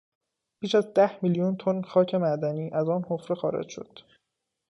بیش از ده میلیون تن خاک معدنی از آن حفره خارج شد.